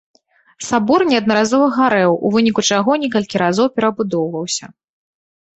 Сабор неаднаразова гарэў, у выніку чаго некалькі разоў перабудоўваўся.